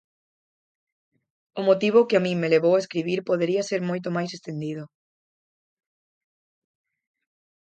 O motivo que a min me levou a escribir podería ser moito máis estendido.